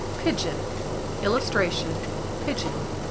PIGEON. [Illustration: PIGEON.